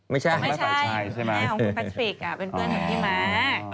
ไม่ใช่แม่ของคุณแพทริกอ่ะเป็นเพื่อนของพี่มั๊ก